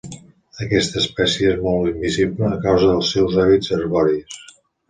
Aquesta espècie és molt invisible a causa dels seus hàbits arboris.